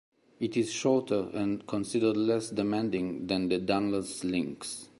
It is shorter and considered less demanding than the Dunluce Links.